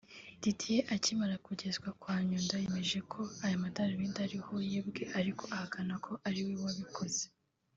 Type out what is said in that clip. Didier akimara kugezwa kwa Nyundo yemeje ko aya madarubindi ari ho yibwe ariko ahakana ko ari we wabikoze